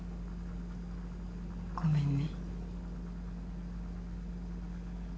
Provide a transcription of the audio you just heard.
ごめんね。